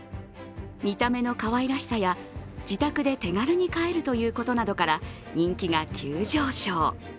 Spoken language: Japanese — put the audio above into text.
見た目のかわいらしさや自宅で手軽に飼えるということなどから人気が急上昇。